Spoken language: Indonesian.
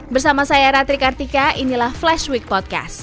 bersama saya ratri kartika inilah flash week podcast